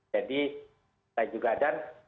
jadi saya juga dan